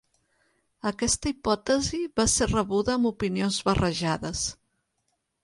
Aquesta hipòtesi va ser rebuda amb opinions barrejades.